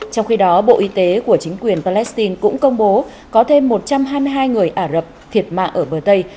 trong khi đó bộ y tế của chính quyền palestine cũng công bố có thêm một trăm hai mươi hai người ả rập thiệt mạng ở bờ tây